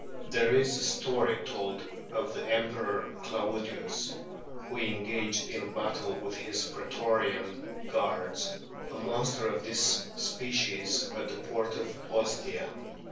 There is a story told of the Emperor Claudius who engaged in battle with his pretorian guards a monster of this species at the port of Ostia.